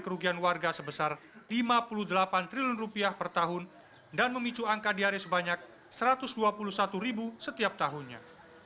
kerugian warga sebesar lima puluh delapan triliun rupiah per tahun dan memicu angka diare sebanyak rp satu ratus dua puluh satu ribu setiap tahunnya